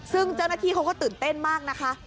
ซึ่งเจ้าหน้าที่เขาก็ตื่นเต้นมากนะคะ